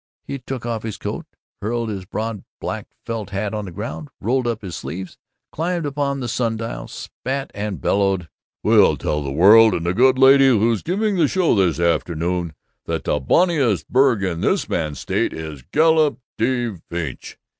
He took off his coat, hurled his broad black felt hat on the ground, rolled up his sleeves, climbed upon the sundial, spat, and bellowed: "We'll tell the world, and the good lady who's giving the show this afternoon, that the bonniest burg in this man's state is Galop de Vache.